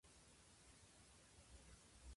君たちはどう生きるか。